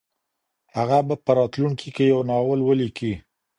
هغه به په راتلونکي کي یو ناول ولیکي.